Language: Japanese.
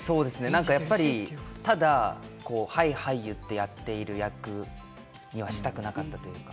何かやっぱりただこう「はいはい」言ってやっている役にはしたくなかったというか。